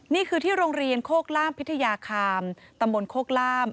นี่คือที่โรงเรียนโคกล่ามพิทยาคามตำบลโคกล่าม